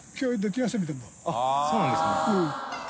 △繊そうなんですね。